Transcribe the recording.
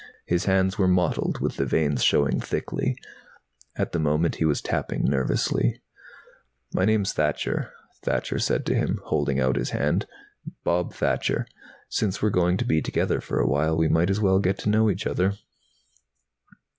His hands were mottled with the veins showing thickly. At the moment he was tapping nervously. "My name's Thacher," Thacher said to him, holding out his hand. "Bob Thacher. Since we're going to be together for a while we might as well get to know each other."